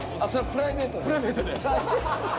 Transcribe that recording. プライベートで。